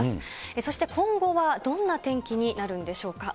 そして今後は、どんな天気になるんでしょうか。